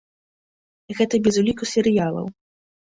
Гэта без уліку серыялаў.